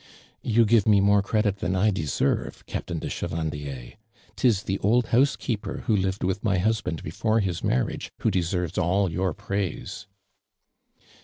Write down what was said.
"You givenie more credit than I deserve. Captain de Chevandier. Tis the old house keeper, who lived with my husband before his mairiage, who deserves all your praise.'"